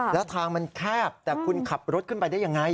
แล้วทางมันแคบแต่คุณขับรถขึ้นไปได้ยังไง